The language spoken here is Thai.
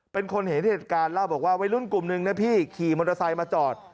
เป็นคนเห็นเหตุการณ์เล่าบอกว่าวัยรุ่นกลุ่มหนึ่งนะพี่ขี่มอเตอร์ไซค์มาจอด